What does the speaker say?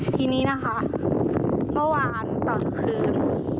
ทีนี้นะคะเมื่อวานตอนคืน